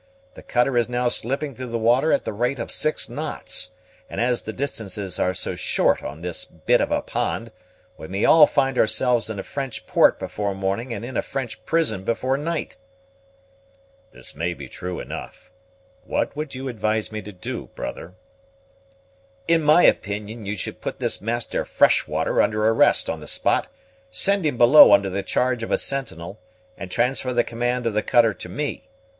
The cutter is now slipping through the water at the rate of six knots, and as the distances are so short on this bit of a pond, we may all find ourselves in a French port before morning, and in a French prison before night." "This may be true enough. What would you advise me to do, brother?" "In my opinion you should put this Master Freshwater under arrest on the spot; send him below under the charge of a sentinel, and transfer the command of the cutter to me.